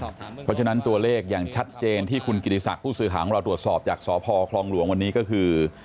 เพราะฉะนั้นตัวเลขอย่างชัดเจนที่คุณกิติศักดิ์ผู้สื่อข่าวของเราตรวจสอบจากสพคลองหลวงวันนี้ก็คือ